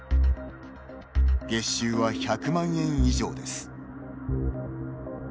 月収は１００万円以上です。